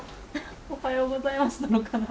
おはようございますなのかな。